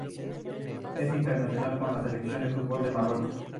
Es internacional con la Selección de fútbol de Marruecos.